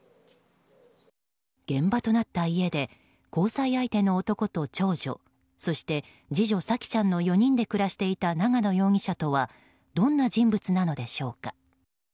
現場となった家で交際相手の男と長女そして、次女・沙季ちゃんの４人と暮らしていた長野容疑者とはどんな人物なのでしょうか。